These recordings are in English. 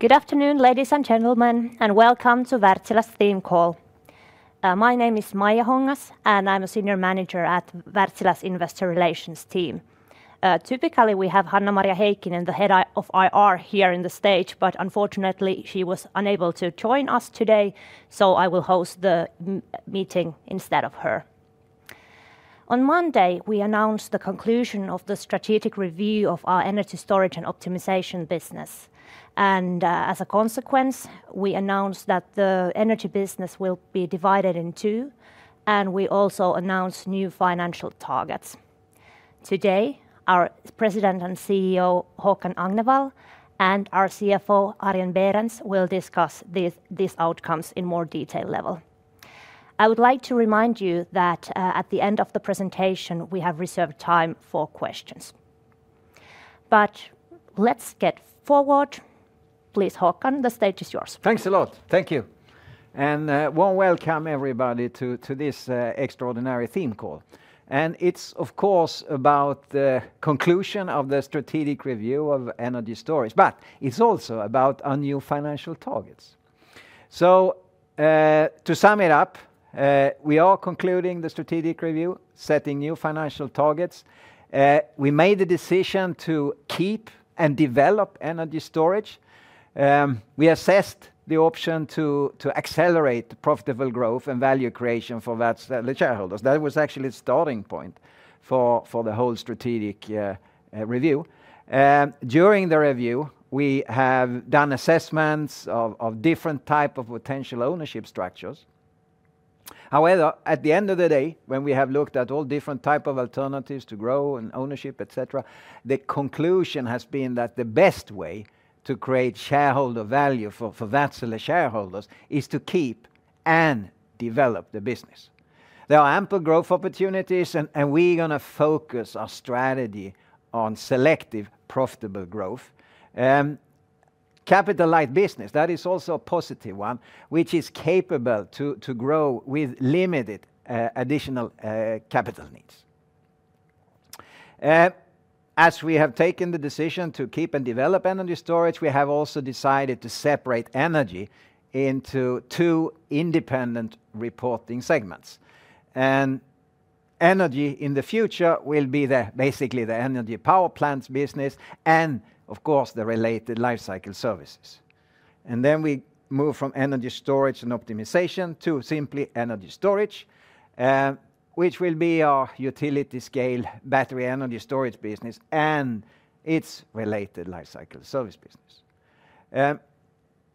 Good afternoon, ladies and gentlemen, and welcome to Wärtsilä's theme call. My name is Maija Hongas, and I'm a Senior Manager at Wärtsilä's investor relations team. Typically, we have Hanna-Maria Heikkinen, the Head of IR, here on the stage, but unfortunately, she was unable to join us today, so I will host the meeting instead of her. On Monday, we announced the conclusion of the strategic review of our Energy Storage and optimization business, and as a consequence, we announced that the Energy business will be divided in two, and we also announced new financial targets. Today, our President and CEO, Håkan Agnevall, and our CFO, Arjen Berends, will discuss these outcomes in more detail level. I would like to remind you that at the end of the presentation, we have reserved time for questions, but let's get forward. Please, Håkan, the stage is yours. Thanks a lot. Thank you. Warm welcome, everybody, to this extraordinary theme call. It is, of course, about the conclusion of the strategic review of energy storage, but it is also about our new financial targets. To sum it up, we are concluding the strategic review, setting new financial targets. We made the decision to keep and develop energy storage. We assessed the option to accelerate profitable growth and value creation for Wärtsilä's shareholders. That was actually the starting point for the whole strategic review. During the review, we have done assessments of different types of potential ownership structures. However, at the end of the day, when we have looked at all different types of alternatives to grow and ownership, etc., the conclusion has been that the best way to create shareholder value for Wärtsilä shareholders is to keep and develop the business. There are ample growth opportunities, and we're going to focus our strategy on selective profitable growth. Capital-light business, that is also a positive one, which is capable to grow with limited additional capital needs. As we have taken the decision to keep and develop energy storage, we have also decided to separate energy into two independent reporting segments. Energy in the future will be basically the Energy power plants business and, of course, the related lifecycle services. We move from energy storage and optimization to simply energy storage, which will be our utility-scale battery energy storage business and its related lifecycle service business.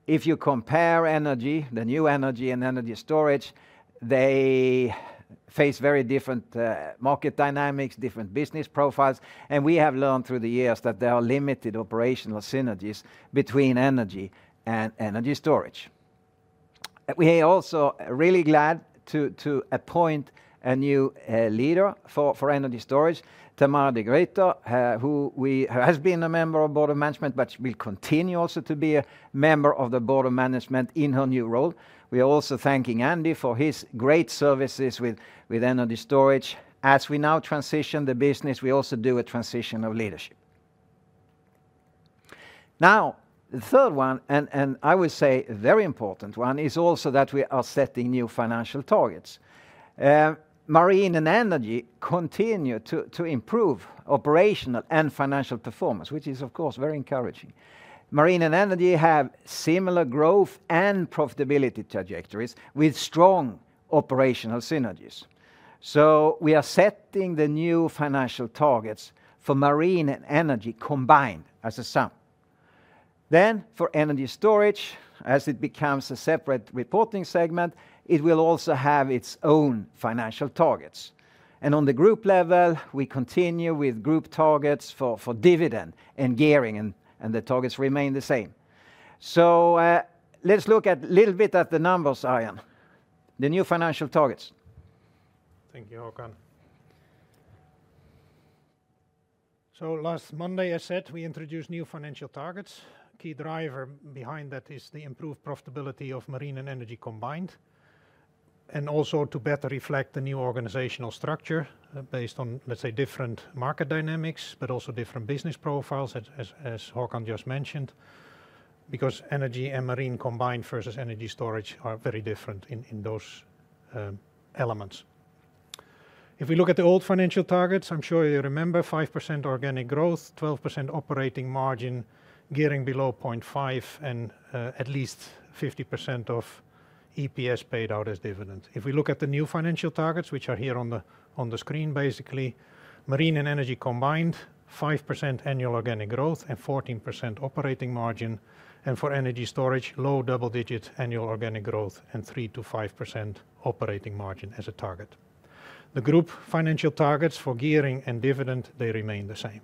If you compare energy, the new energy and energy storage, they face very different market dynamics, different business profiles, and we have learned through the years that there are limited operational synergies between energy and energy storage. We are also really glad to appoint a new leader for Energy Storage, Tamara de Gruyter, who has been a member of the Board of Management, but will continue also to be a member of the Board of Management in her new role. We are also thanking Andy for his great services with Energy Storage. As we now transition the business, we also do a transition of leadership. Now, the third one, and I would say a very important one, is also that we are setting new financial targets. Marine and Energy continue to improve operational and financial performance, which is, of course, very encouraging. Marine and Energy have similar growth and profitability trajectories with strong operational synergies. We are setting the new financial targets for Marine and Energy combined as a sum. For Energy Storage, as it becomes a separate reporting segment, it will also have its own financial targets. On the group level, we continue with group targets for dividend and gearing, and the targets remain the same. Let's look a little bit at the numbers, Arjen. The new financial targets. Thank you, Håkan. Last Monday, as said, we introduced new financial targets. The key driver behind that is the improved profitability of Marine and Energy combined, and also to better reflect the new organizational structure based on, let's say, different market dynamics, but also different business profiles, as Håkan just mentioned, because Energy and Marine combined versus Energy Storage are very different in those elements. If we look at the old financial targets, I'm sure you remember 5% organic growth, 12% operating margin, gearing below 0.5, and at least 50% of EPS paid out as dividends. If we look at the new financial targets, which are here on the screen, basically, Marine and Energy combined, 5% annual organic growth and 14% operating margin, and for Energy Storage, low double-digit annual organic growth and 3%-5% operating margin as a target. The group financial targets for gearing and dividend, they remain the same.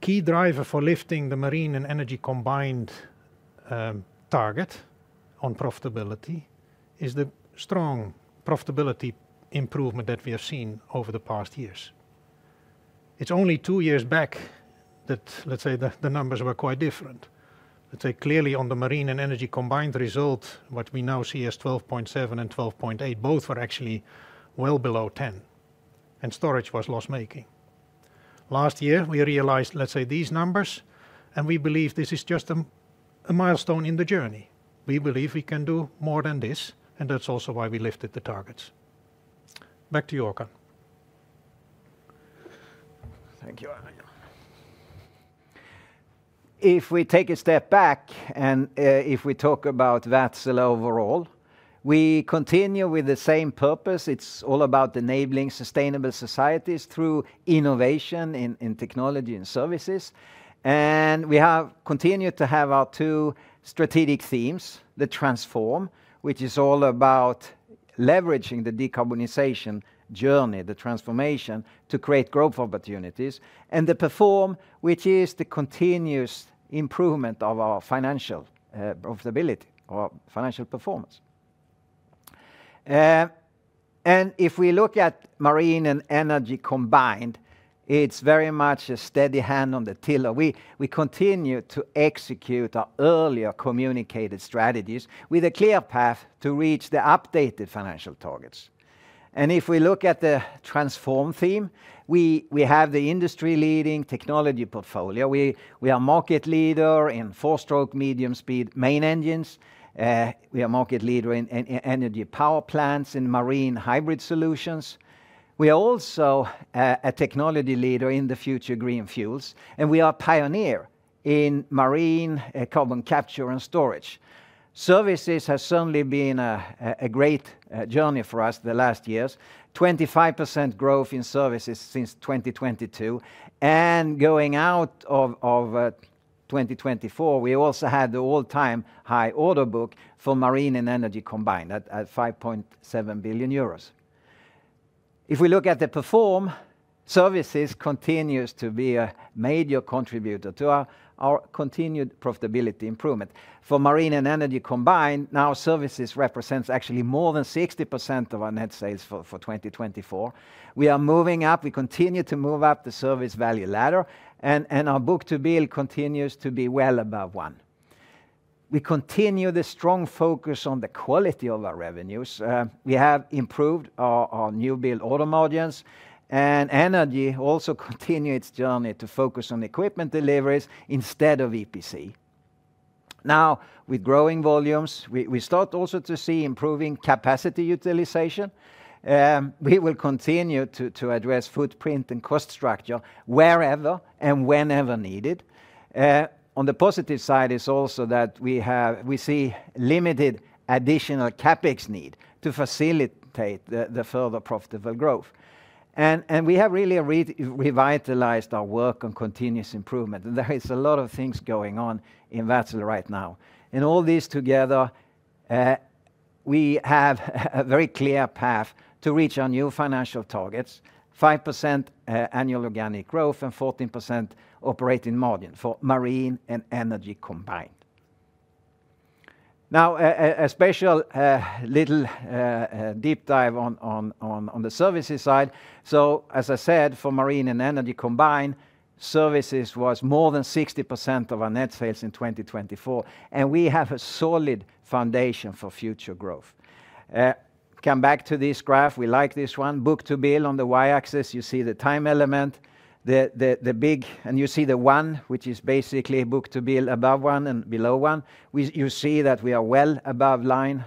Key driver for lifting the Marine and Energy combined target on profitability is the strong profitability improvement that we have seen over the past years. It's only two years back that, let's say, the numbers were quite different. Let's say, clearly on the Marine and Energy combined result, what we now see as 12.7 and 12.8, both were actually well below 10, and storage was loss-making. Last year, we realized, let's say, these numbers, and we believe this is just a milestone in the journey. We believe we can do more than this, and that's also why we lifted the targets. Back to you, Håkan. Thank you, Arjen. If we take a step back and if we talk about Wärtsilä overall, we continue with the same purpose. It's all about enabling sustainable societies through innovation in technology and services. We have continued to have our two strategic themes, The Transform, which is all about leveraging the decarbonization journey, the transformation to create growth opportunities, and The Perform, which is the continuous improvement of our financial profitability or financial performance. If we look at marine and energy combined, it's very much a steady hand on the tiller. We continue to execute our earlier communicated strategies with a clear path to reach the updated financial targets. If we look at the transform theme, we have the industry-leading technology portfolio. We are a market leader in four-stroke medium-speed main engines. We are a market leader in energy power plants and marine hybrid solutions. We are also a technology leader in the future green fuels, and we are a pioneer in marine carbon capture and storage. Services has certainly been a great journey for us the last years, 25% growth in services since 2022. Going out of 2024, we also had the all-time high order book for Marine and Energy combined at 5.7 billion euros. If we look at The Perform, services continues to be a major contributor to our continued profitability improvement. For Marine and Energy combined, now services represents actually more than 60% of our net sales for 2024. We are moving up. We continue to move up the service value ladder, and our book-to-bill continues to be well above one. We continue the strong focus on the quality of our revenues. We have improved our new bill order margins, and Energy also continues its journey to focus on equipment deliveries instead of EPC. Now, with growing volumes, we start also to see improving capacity utilization. We will continue to address footprint and cost structure wherever and whenever needed. On the positive side, we see limited additional CapEx need to facilitate the further profitable growth. We have really revitalized our work on continuous improvement. There is a lot of things going on in Wärtsilä right now. All these together, we have a very clear path to reach our new financial targets: 5% annual organic growth and 14% operating margin for Marine and Energy combined. Now, a special little deep dive on the services side. As I said, for marine and energy combined, services was more than 60% of our net sales in 2024, and we have a solid foundation for future growth. Come back to this graph. We like this one. Book-to-bill on the Y-axis, you see the time element, the big, and you see the one, which is basically book-to-bill above one and below one. You see that we are well above one,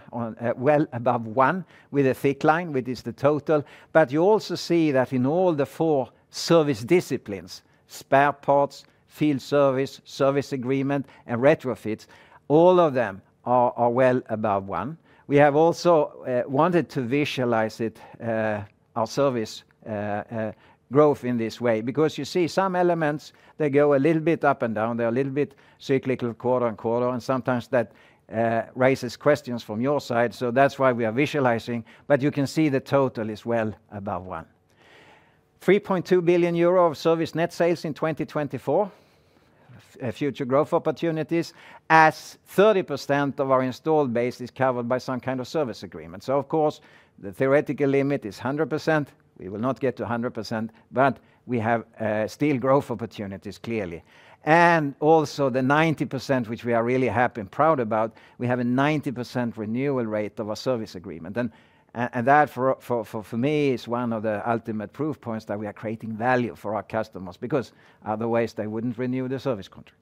with a thick line, which is the total. You also see that in all the four service disciplines: spare parts, field service, service agreement, and retrofits, all of them are well above one. We have also wanted to visualize our service growth in this way because you see some elements, they go a little bit up and down. They are a little bit cyclical, quarter-on-quarter, and sometimes that raises questions from your side. That is why we are visualizing. You can see the total is well above one. 3.2 billion euro of service net sales in 2024, future growth opportunities, as 30% of our installed base is covered by some kind of service agreement. Of course, the theoretical limit is 100%. We will not get to 100%, but we have still growth opportunities clearly. Also, the 90%, which we are really happy and proud about, we have a 90% renewal rate of our service agreement. That, for me, is one of the ultimate proof points that we are creating value for our customers because otherwise, they would not renew the service contracts.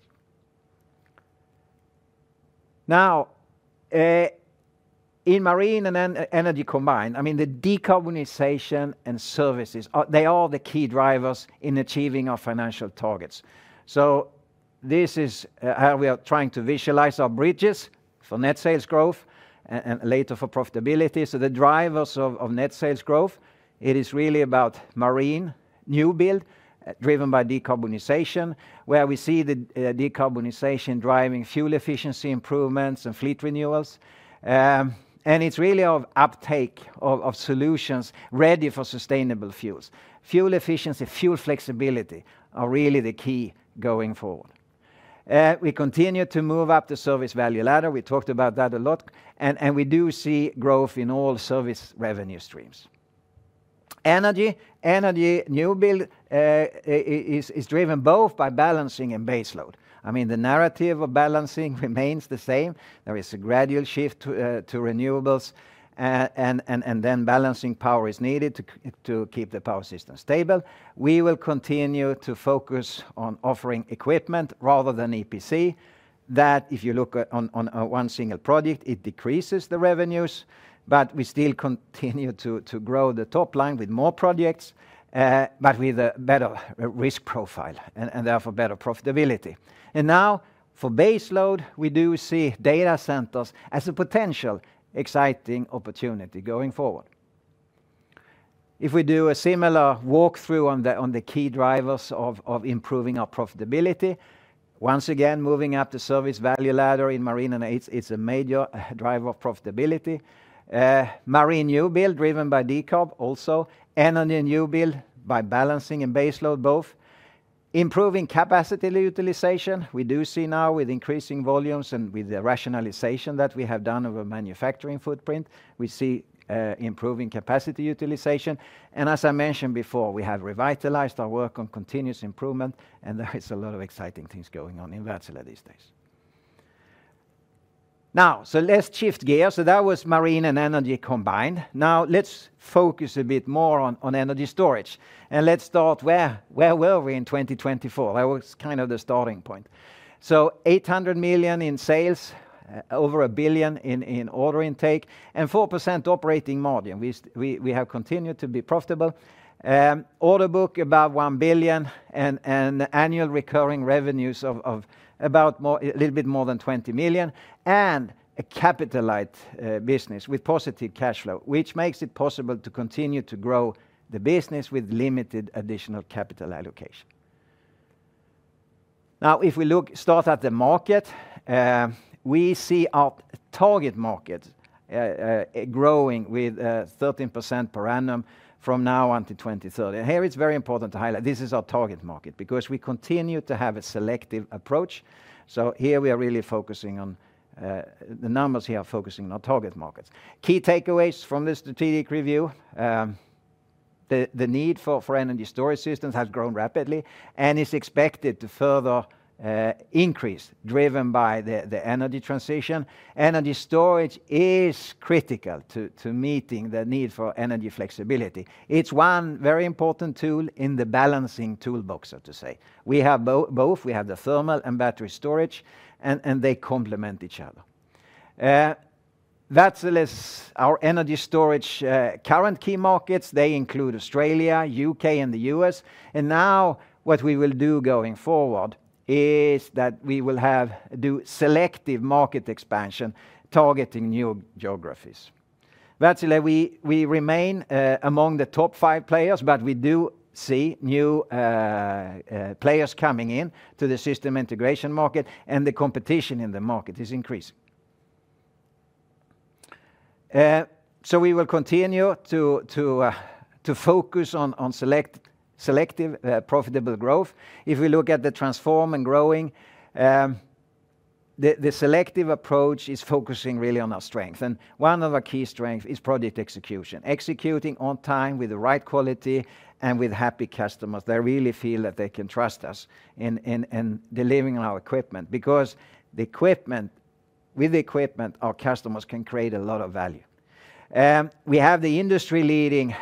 In Marine and Energy combined, I mean, the decarbonization and services, they are the key drivers in achieving our financial targets. This is how we are trying to visualize our bridges for net sales growth and later for profitability. The drivers of net sales growth, it is really about Marine newbuild driven by decarbonization, where we see the decarbonization driving fuel efficiency improvements and fleet renewals. It is really of uptake of solutions ready for sustainable fuels. Fuel efficiency, fuel flexibility are really the key going forward. We continue to move up the service value ladder. We talked about that a lot. We do see growth in all service revenue streams. Energy, Energy newbuild is driven both by balancing and baseload. I mean, the narrative of balancing remains the same. There is a gradual shift to renewables, and then balancing power is needed to keep the power system stable. We will continue to focus on offering equipment rather than EPC. If you look on one single project, it decreases the revenues, but we still continue to grow the top line with more projects, but with a better risk profile and therefore better profitability. Now, for base load, we do see data centers as a potential exciting opportunity going forward. If we do a similar walkthrough on the key drivers of improving our profitability, once again, moving up the service value ladder in Marine and it's a major driver of profitability. Marine new build driven by decarb also, energy new build by balancing and base load both. Improving capacity utilization, we do see now with increasing volumes and with the rationalization that we have done of our manufacturing footprint, we see improving capacity utilization. As I mentioned before, we have revitalized our work on continuous improvement, and there is a lot of exciting things going on in Wärtsilä these days. Now, let's shift gears. That was Marine and Energy combined. Now, let's focus a bit more on Energy Storage. Let's start where we were in 2024. That was kind of the starting point. 800 million in sales, over 1 billion in order intake, and 4% operating margin. We have continued to be profitable. Order book about 1 billion and annual recurring revenues of about a little bit more than 20 million and a capital-light business with positive cash flow, which makes it possible to continue to grow the business with limited additional capital allocation. Now, if we look, start at the market, we see our target market growing with 13% per annum from now until 2030. Here it's very important to highlight this is our target market because we continue to have a selective approach. We are really focusing on the numbers here, focusing on our target markets. Key takeaways from this strategic review, the need for energy storage systems has grown rapidly and is expected to further increase driven by the energy transition. Energy storage is critical to meeting the need for energy flexibility. It's one very important tool in the balancing toolbox, so to say. We have both. We have the thermal and battery storage, and they complement each other. Wärtsilä's Energy Storage current key markets include Australia, the U.K., and the U.S. What we will do going forward is that we will have to do selective market expansion targeting new geographies. Wärtsilä, we remain among the top five players, but we do see new players coming in to the system integration market, and the competition in the market is increasing. We will continue to focus on selective profitable growth. If we look at The Transform and growing, the selective approach is focusing really on our strength. One of our key strengths is project execution, executing on time with the right quality and with happy customers that really feel that they can trust us in delivering our equipment because with the equipment, our customers can create a lot of value. We have the industry-leading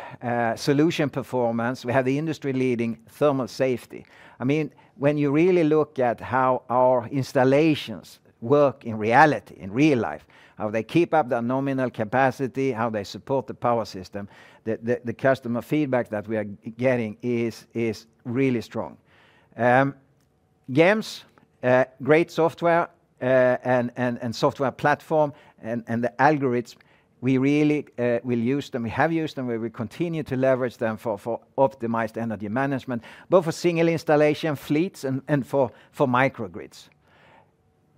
solution performance. We have the industry-leading thermal safety. I mean, when you really look at how our installations work in reality, in real life, how they keep up their nominal capacity, how they support the power system, the customer feedback that we are getting is really strong. GEMS, great software and software platform and the algorithms, we really will use them. We have used them. We will continue to leverage them for optimized energy management, both for single installation fleets and for microgrids.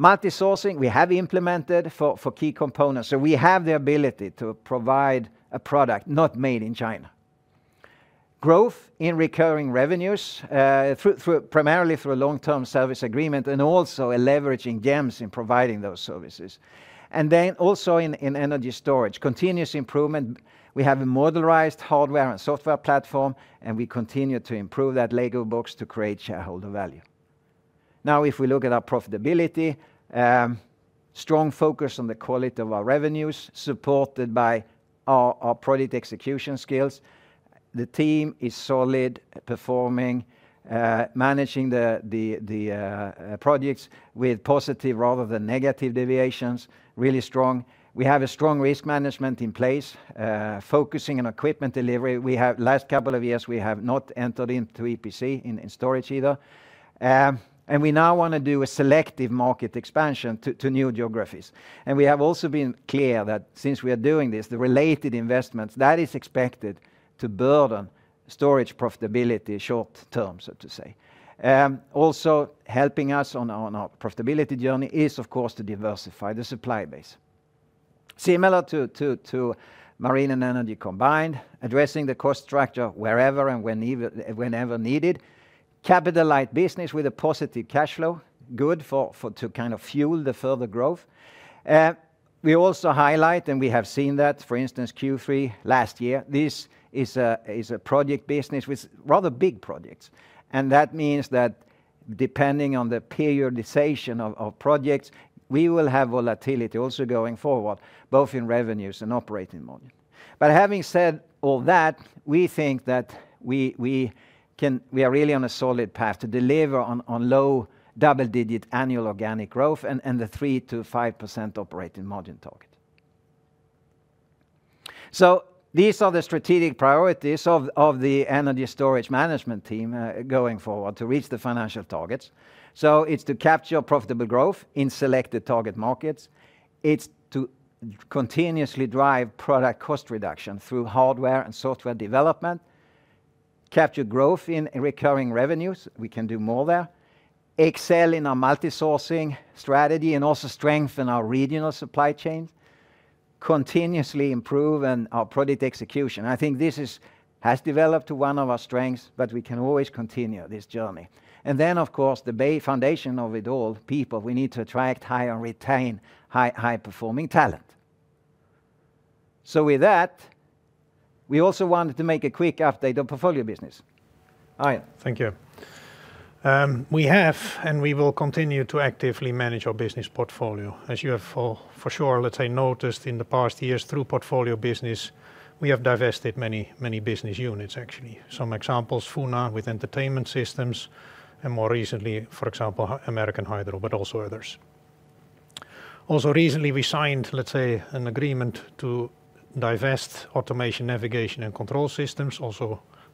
Multi-sourcing, we have implemented for key components. We have the ability to provide a product not made in China. Growth in recurring revenues, primarily through a long-term service agreement and also leveraging GEMS in providing those services. In Energy S`torage, continuous improvement. We have a modernized hardware and software platform, and we continue to improve that Lego box to create shareholder value. Now, if we look at our profitability, strong focus on the quality of our revenues supported by our project execution skills. The team is solid, performing, managing the projects with positive rather than negative deviations, really strong. We have a strong risk management in place, focusing on equipment delivery. The last couple of years, we have not entered into EPC in storage either. We now want to do a selective market expansion to new geographies. We have also been clear that since we are doing this, the related investments are expected to burden storage profitability short term, so to say. Also, helping us on our profitability journey is, of course, to diversify the supply base. Similar to Marine and Energy combined, addressing the cost structure wherever and whenever needed, capital-light business with a positive cash flow, good to kind of fuel the further growth. We also highlight, and we have seen that, for instance, Q3 last year. This is a project business with rather big projects. That means that depending on the periodization of projects, we will have volatility also going forward, both in revenues and operating margin. Having said all that, we think that we are really on a solid path to deliver on low double-digit annual organic growth and the 3%-5% operating margin target. These are the strategic priorities of the Energy Storage management team going forward to reach the financial targets. It is to capture profitable growth in selected target markets. It is to continuously drive product cost reduction through hardware and software development, capture growth in recurring revenues. We can do more there. Excel in our multi-sourcing strategy and also strengthen our regional supply chains, continuously improve our project execution. I think this has developed to one of our strengths, but we can always continue this journey. The foundation of it all, people, we need to attract, hire, and retain high-performing talent. With that, we also wanted to make a quick update on portfolio business. Arjen, Thank you. We have, and we will continue to actively manage our business portfolio. As you have for sure, let's say, noticed in the past years through portfolio business, we have divested many business units, actually. Some examples, Funa with entertainment systems and more recently, for example, American Hydro, but also others. Also, recently, we signed, let's say, an agreement to divest Automation, Navigation, and Control Systems,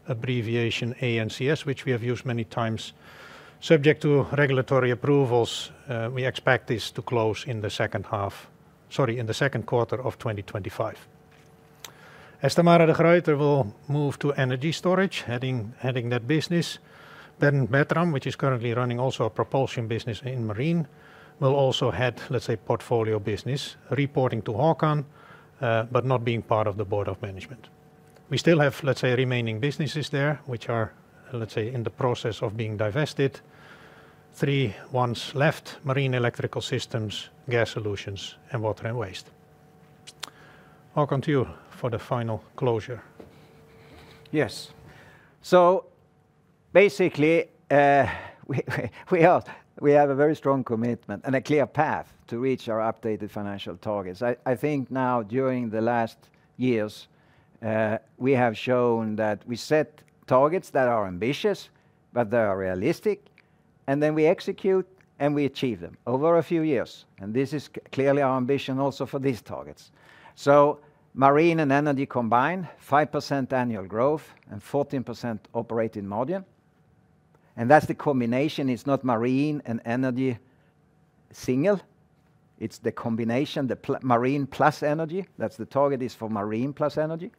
also abbreviation ANCS, which we have used many times. Subject to regulatory approvals, we expect this to close in the second quarter of 2025. As Tamara de Gruyter will move to Energy Storage, heading that business, then Bertram, which is currently running also a Propulsion business in Marine, will also head, let's say, Portfolio Business, reporting to Håkan, but not being part of the Board of Management. We still have, let's say, remaining businesses there, which are, let's say, in the process of being divested. Three ones left, Marine Electrical Systems, Gas Solutions, and Water and Waste. Håkan, to you for the final closure. Yes. Basically, we have a very strong commitment and a clear path to reach our updated financial targets. I think now, during the last years, we have shown that we set targets that are ambitious, but they are realistic, and then we execute and we achieve them over a few years. This is clearly our ambition also for these targets. Marine and Energy combined, 5% annual growth and 14% operating margin. That is the combination. It is not Marine and Energy single. It is the combination, the Marine plus Energy. That is the target, is for Marine plus Energy.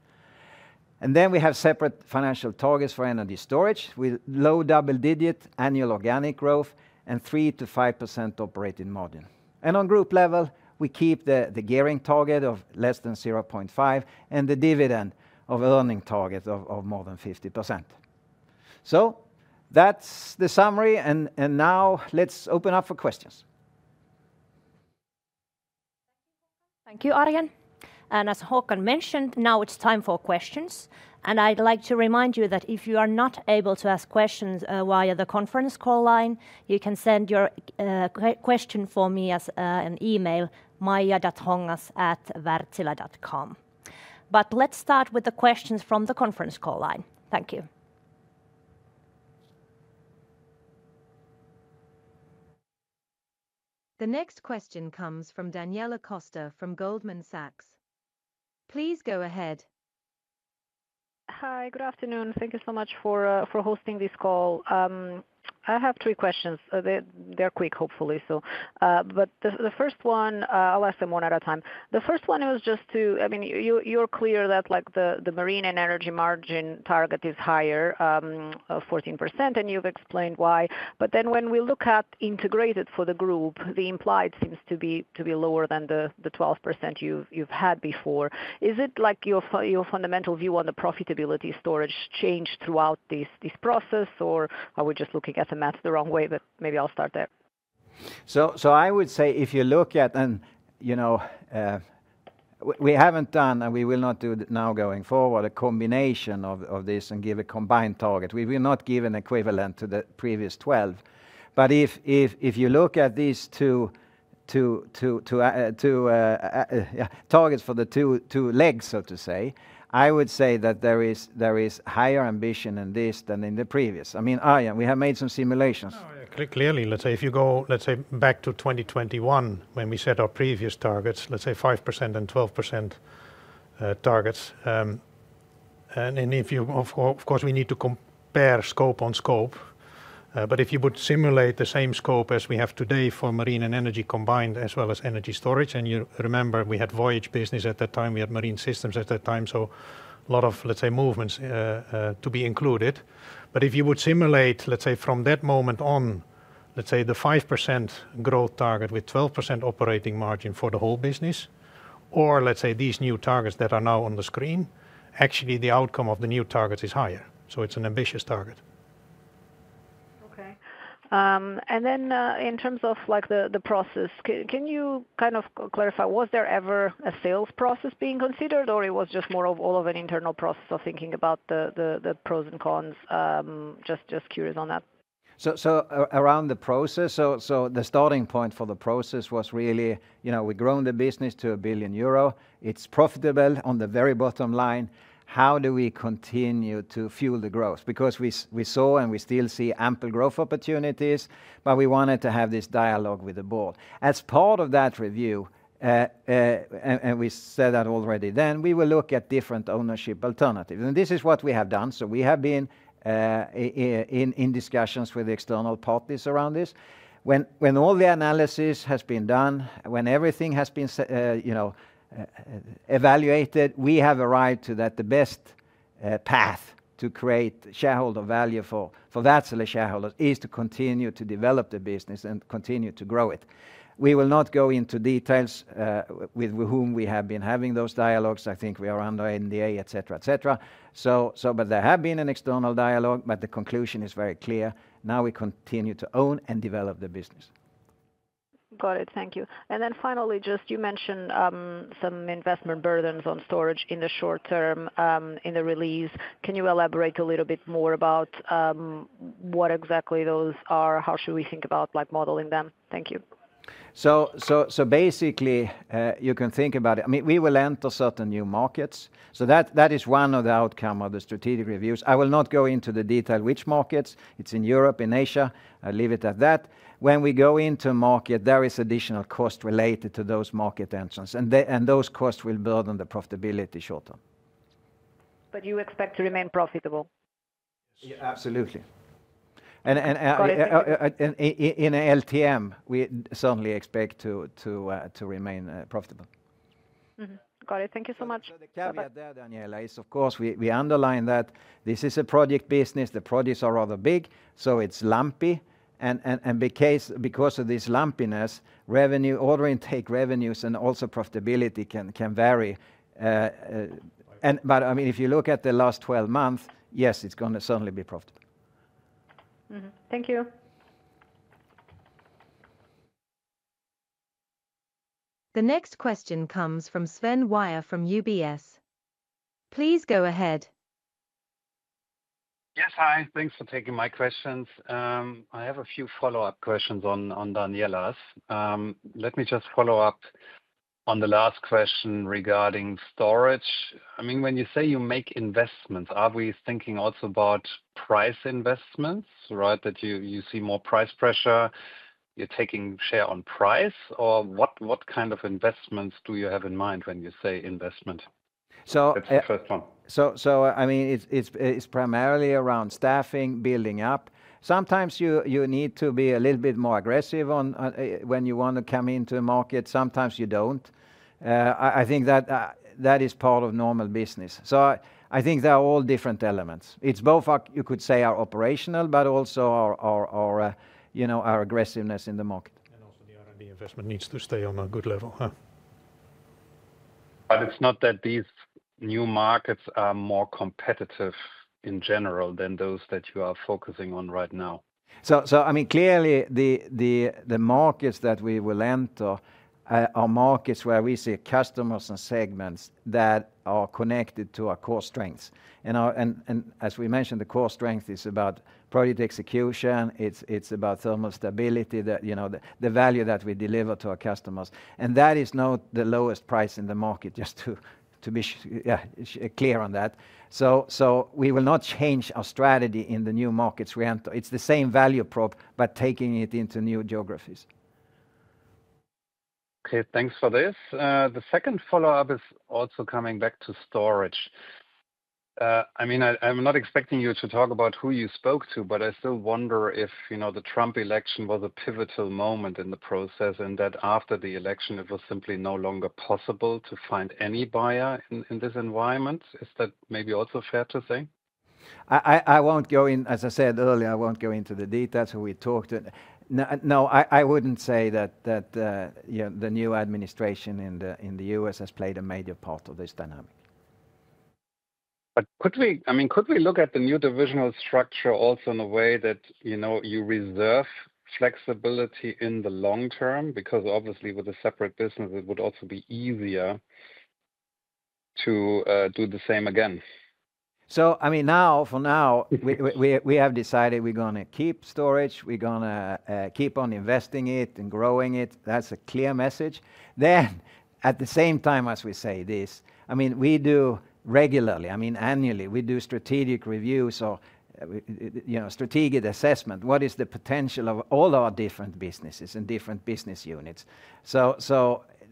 Then we have separate financial targets for Energy Storage with low double-digit annual organic growth and 3-5% operating margin. On group level, we keep the gearing target of less than 0.5 and the dividend of earning target of more than 50%. That is the summary. Now let's open up for questions. Thank you, Arjen. As Håkan mentioned, now it is time for questions. I would like to remind you that if you are not able to ask questions via the conference call line, you can send your question for me as an email, maija.hongas@wartsila.com. Let's start with the questions from the conference call line. Thank you. The next question comes from Daniela Costa from Goldman Sachs. Please go ahead. Hi, good afternoon. Thank you so much for hosting this call. I have three questions. They're quick, hopefully. The first one, I'll ask them one at a time. The first one was just to, I mean, you're clear that the Marine and Energy margin target is higher, 14%, and you've explained why. When we look at integrated for the group, the implied seems to be lower than the 12% you've had before. Is it like your fundamental view on the profitability storage changed throughout this process, or are we just looking at the math the wrong way? Maybe I'll start there. I would say if you look at, and we haven't done, and we will not do now going forward, a combination of this and give a combined target. We will not give an equivalent to the previous 12%. If you look at these two targets for the two legs, so to say, I would say that there is higher ambition in this than in the previous. I mean, Arjen, we have made some simulations. Clearly, let's say if you go back to 2021 when we set our previous targets, let's say 5% and 12% targets. Of course, we need to compare scope-on-scope. If you would simulate the same scope as we have today for Marine and Energy combined as well as Energy Storage, and you remember we had Voyage Business at that time, we had Marine Systems at that time, so a lot of movements to be included. If you would simulate, let's say, from that moment on, let's say the 5% growth target with 12% operating margin for the whole business, or let's say these new targets that are now on the screen, actually the outcome of the new targets is higher. It is an ambitious target. Okay. In terms of the process, can you kind of clarify, was there ever a sales process being considered, or it was just more of an internal process of thinking about the pros and cons? Just curious on that. Around the process, the starting point for the process was really, we've grown the business to 1 billion euro. It is profitable on the very bottom line. How do we continue to fuel the growth? Because we saw and we still see ample growth opportunities, but we wanted to have this dialogue with the board. As part of that review, and we said that already then, we will look at different ownership alternatives. This is what we have done. We have been in discussions with external parties around this. When all the analysis has been done, when everything has been evaluated, we have arrived to that the best path to create shareholder value for Wärtsilä shareholders is to continue to develop the business and continue to grow it. We will not go into details with whom we have been having those dialogues. I think we are under NDA, etc., etc. There have been an external dialogue, but the conclusion is very clear. Now we continue to own and develop the business. Got it. Thank you. Finally, just you mentioned some investment burdens on storage in the short term in the release. Can you elaborate a little bit more about what exactly those are? How should we think about modeling them? Thank you. Basically, you can think about it. I mean, we will enter certain new markets. That is one of the outcomes of the strategic reviews. I will not go into the detail which markets. It is in Europe, in Asia. I will leave it at that. When we go into market, there is additional cost related to those market entrants. Those costs will burden the profitability short term. You expect to remain profitable? Absolutely. In LTM, we certainly expect to remain profitable. Got it. Thank you so much. The caveat there, Daniela, is of course, we underline that this is a project business. The projects are rather big, so it is lumpy. Because of this lumpiness, order intake revenues and also profitability can vary. I mean, if you look at the last 12 months, yes, it's going to certainly be profitable. Thank you. The next question comes from Sven Weier from UBS. Please go ahead. Yes, hi. Thanks for taking my questions. I have a few follow-up questions on Daniela's. Let me just follow up on the last question regarding storage. I mean, when you say you make investments, are we thinking also about price investments, right? That you see more price pressure, you're taking share on price, or what kind of investments do you have in mind when you say investment? I mean, it's primarily around staffing, building up. Sometimes you need to be a little bit more aggressive when you want to come into a market. Sometimes you don't. I think that is part of normal business. I think there are all different elements. It's both, you could say, our operational, but also our aggressiveness in the market. Also, the R&D investment needs to stay on a good level. It's not that these new markets are more competitive in general than those that you are focusing on right now. I mean, clearly, the markets that we will enter are markets where we see customers and segments that are connected to our core strengths. As we mentioned, the core strength is about project execution. It's about thermal stability, the value that we deliver to our customers. That is not the lowest price in the market, just to be clear on that. We will not change our strategy in the new markets we enter. It's the same value prop, but taking it into new geographies. Okay, thanks for this. The second follow-up is also coming back to storage. I mean, I'm not expecting you to talk about who you spoke to, but I still wonder if the Trump election was a pivotal moment in the process and that after the election, it was simply no longer possible to find any buyer in this environment. Is that maybe also fair to say? I won't go in, as I said earlier, I won't go into the details we talked to. No, I wouldn't say that the new administration in the U.S. has played a major part of this dynamic. I mean, could we look at the new divisional structure also in a way that you reserve flexibility in the long term? Because obviously, with a separate business, it would also be easier to do the same again. I mean, now, for now, we have decided we're going to keep storage. We're going to keep on investing in it and growing it. That's a clear message. At the same time as we say this, I mean, we do regularly, I mean, annually, we do strategic reviews or strategic assessment. What is the potential of all our different businesses and different business units?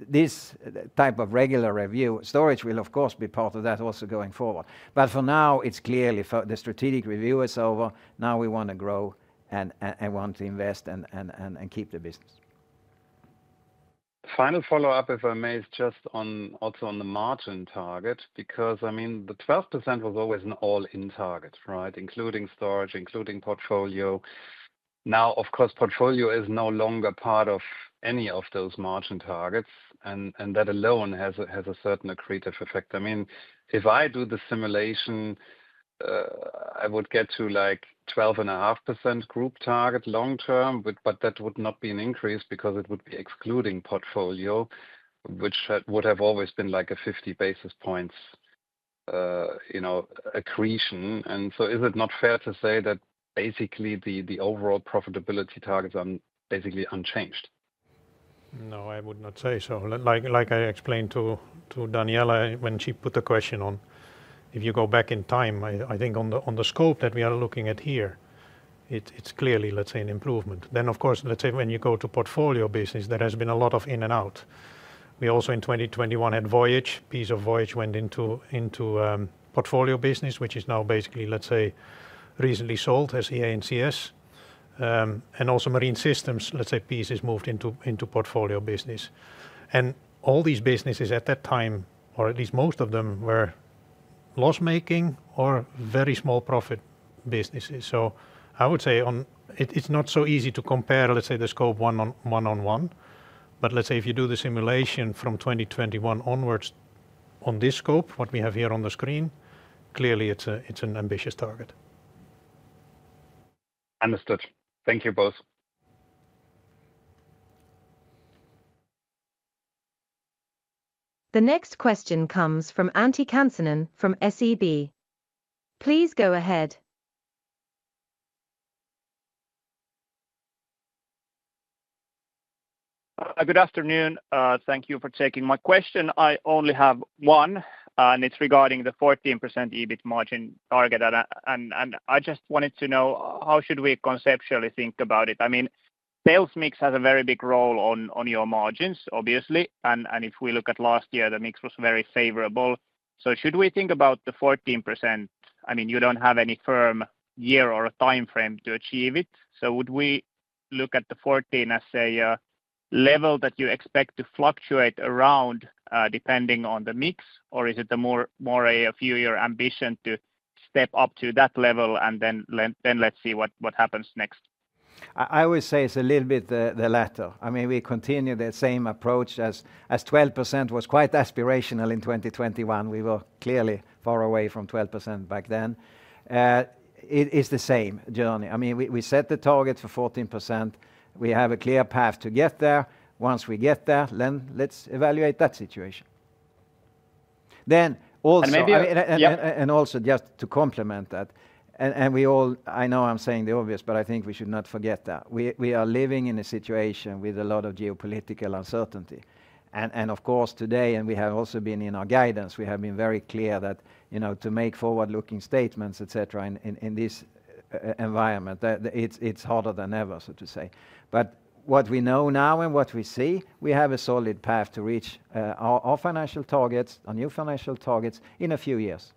This type of regular review, storage will of course be part of that also going forward. For now, it's clearly the strategic review is over. Now we want to grow and want to invest and keep the business. Final follow-up, if I may, is just also on the margin target, because I mean, the 12% was always an all-in target, right? Including Storage, including Portfolio. Now, of course, Portfolio is no longer part of any of those margin targets. That alone has a certain accretive effect. I mean, if I do the simulation, I would get to like 12.5% group target long term, but that would not be an increase because it would be excluding Portfolio, which would have always been like a 50-basis-point accretion. Is it not fair to say that basically the overall profitability targets are basically unchanged? No, I would not say so. Like I explained to Daniela when she put the question on, if you go back in time, I think on the scope that we are looking at here, it's clearly, let's say, an improvement. Of course, let's say when you go to Portfolio Business, there has been a lot of in and out. We also in 2021 had Voyage. Piece of Voyage went into Portfolio Business, which is now basically, let's say, recently sold as ANCS. Also, Marine Systems, let's say, piece is moved into Portfolio Business. All these businesses at that time, or at least most of them, were loss-making or very small-profit businesses. I would say it's not so easy to compare, let's say, the scope one-on-one. If you do the simulation from 2021 onwards on this scope, what we have here on the screen, clearly it's an ambitious target. Understood. Thank you both. The next question comes from Antti Kansanen from SEB. Please go ahead. Good afternoon. Thank you for taking my question. I only have one, and it's regarding the 14% EBIT margin target. I just wanted to know how should we conceptually think about it? I mean, sales mix has a very big role on your margins, obviously. If we look at last year, the mix was very favorable. Should we think about the 14%? I mean, you do not have any firm year or a timeframe to achieve it. Would we look at the 14% as a level that you expect to fluctuate around depending on the mix, or is it more a few-year ambition to step up to that level and then let's see what happens next? I always say it is a little bit the latter. I mean, we continue the same approach as 12% was quite aspirational in 2021. We were clearly far away from 12% back then. It is the same journey. I mean, we set the target for 14%. We have a clear path to get there. Once we get there, then let's evaluate that situation. Also, just to complement that, I know I'm saying the obvious, but I think we should not forget that we are living in a situation with a lot of geopolitical uncertainty. Of course, today, and we have also been in our guidance, we have been very clear that to make forward-looking statements, etc., in this environment, it's harder than ever, so to say. What we know now and what we see, we have a solid path to reach our financial targets, our new financial targets in a few years.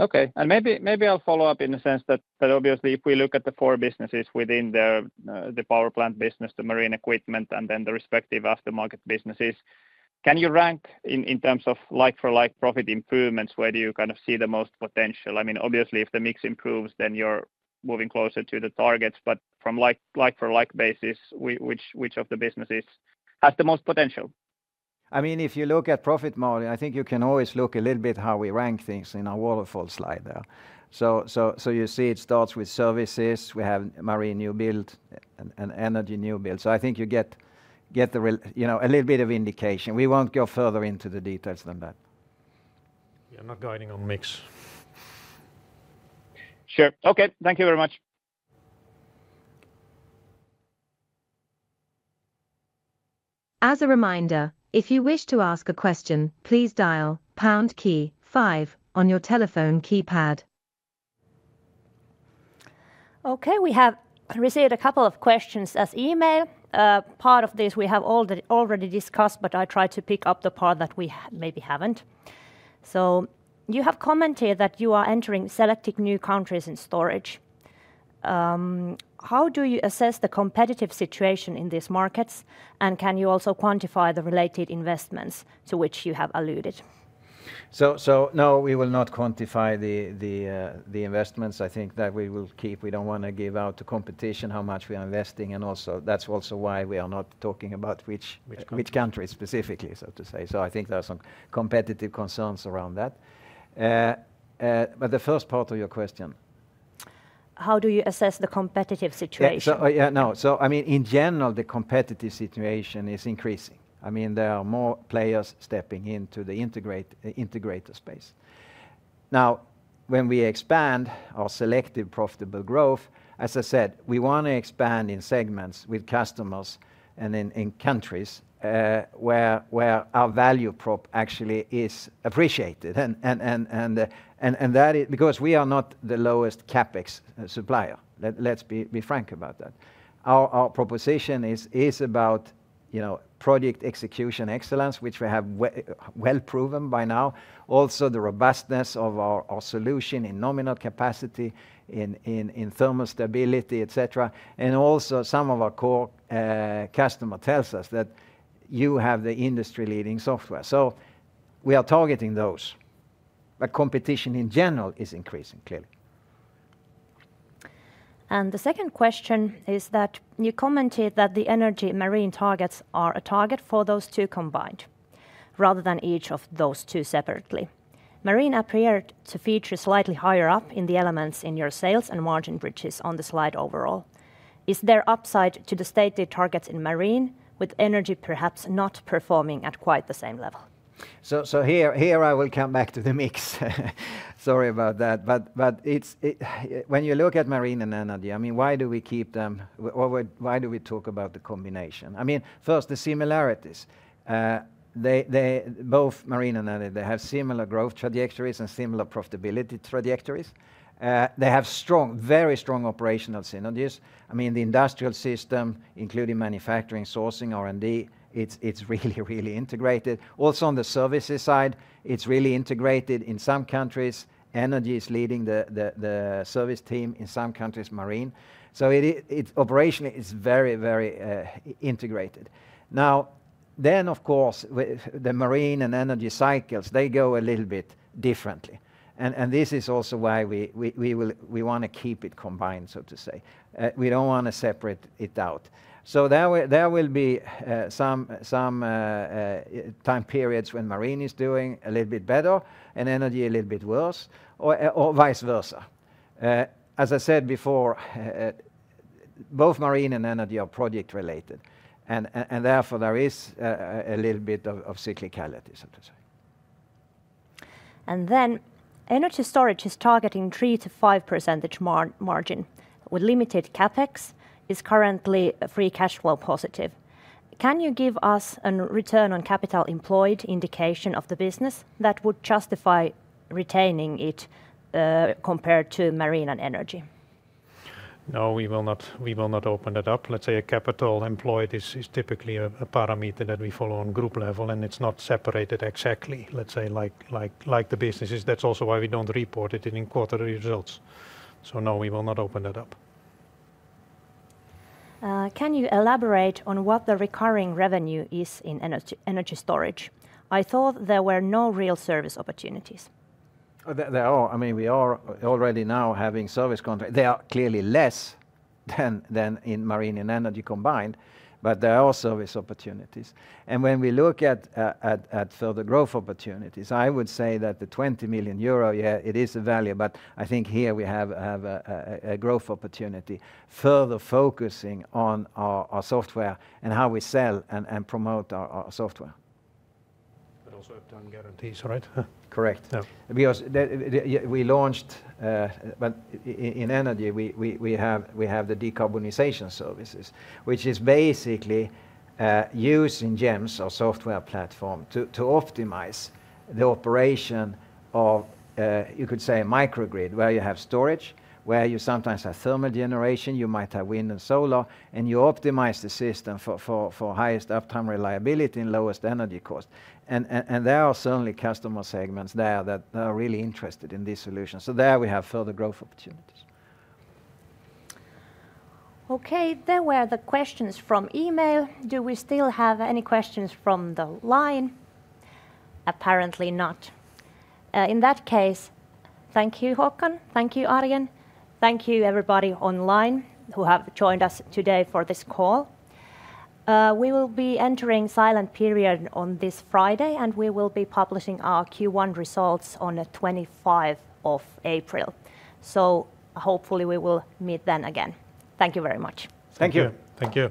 Okay. Maybe I'll follow up in the sense that obviously if we look at the four businesses within the power plant business, the marine equipment, and then the respective aftermarket businesses, can you rank in terms of like-for-like profit improvements where you kind of see the most potential? I mean, obviously, if the mix improves, then you're moving closer to the targets. But from like-for-like basis, which of the businesses has the most potential? I mean, if you look at profit model, I think you can always look a little bit how we rank things in our waterfall slide there. You see it starts with Services. We have Marine New Build and Energy newbuild. I think you get a little bit of indication. We won't go further into the details than that. Yeah, I'm not guiding on mix. Sure. Okay. Thank you very much. As a reminder, if you wish to ask a question, please dial pound key five on your telephone keypad. Okay, we have received a couple of questions as email. Part of this we have already discussed, but I tried to pick up the part that we maybe haven't. You have commented that you are entering selective new countries in storage. How do you assess the competitive situation in these markets? Can you also quantify the related investments to which you have alluded? No, we will not quantify the investments. I think that we will keep. We do not want to give out to competition how much we are investing. That is also why we are not talking about which country specifically, so to say. I think there are some competitive concerns around that. The first part of your question? How do you assess the competitive situation? Yeah, no. In general, the competitive situation is increasing. There are more players stepping into the integrator space. Now, when we expand our selective profitable growth, as I said, we want to expand in segments with customers and in countries where our value prop actually is appreciated. That is because we are not the lowest CapEx supplier. Let's be frank about that. Our proposition is about project execution excellence, which we have well proven by now. Also the robustness of our solution in nominal capacity, in thermal stability, etc. Also some of our core customer tells us that you have the industry-leading software. We are targeting those. Competition in general is increasing, clearly. The second question is that you commented that the Energy and Marine targets are a target for those two combined rather than each of those two separately. Marine appeared to feature slightly higher up in the elements in your sales and margin bridges on the slide overall. Is there upside to the stated targets in Marine with Energy perhaps not performing at quite the same level? Here I will come back to the mix. Sorry about that. When you look at Marine and Energy, I mean, why do we keep them? Why do we talk about the combination? First, the similarities. Both Marine and Energy have similar growth trajectories and similar profitability trajectories. They have very strong operational synergies. The industrial system, including manufacturing, sourcing, R&D, is really, really integrated. Also on the services side, it is really integrated. In some countries, Energy is leading the service team. In some countries, Marine. Operationally it is very, very integrated. Of course, the Marine and Energy cycles go a little bit differently. This is also why we want to keep it combined, so to say. We don't want to separate it out. There will be some time periods when Marine is doing a little bit better and Energy a little bit worse or vice versa. As I said before, both Marine and Energy are project-related. Therefore there is a little bit of cyclicality, so to say. Energy storage is targeting 3%-5% margin. With limited CapEx, it's currently free cash flow positive. Can you give us a return on capital employed indication of the business that would justify retaining it compared to marine and energy? No, we will not open that up. Let's say capital employed is typically a parameter that we follow on group level, and it's not separated exactly, let's say, like the businesses. That's also why we don't report it in quarterly results. No, we will not open that up. Can you elaborate on what the recurring revenue is in energy storage? I thought there were no real service opportunities. There are. I mean, we are already now having service contracts. They are clearly less than in Marine and Energy combined, but there are service opportunities. When we look at further growth opportunities, I would say that the 20 million euro, yeah, it is a value, but I think here we have a growth opportunity further focusing on our software and how we sell and promote our software. But also have done guarantees, right? Correct. Because we launched, in Energy, we have the decarbonization services, which is basically using GEMS, our software platform, to optimize the operation of, you could say, a microgrid where you have storage, where you sometimes have thermal generation, you might have wind and solar, and you optimize the system for highest uptime reliability and lowest energy cost. There are certainly customer segments there that are really interested in this solution. There we have further growth opportunities. Okay, there were the questions from email. Do we still have any questions from the line? Apparently not. In that case, thank you, Håkan. Thank you, Arjen. Thank you, everybody online who have joined us today for this call. We will be entering silent period on this Friday, and we will be publishing our Q1 results on the 25th of April. Hopefully we will meet then again. Thank you very much. Thank you. Thank you.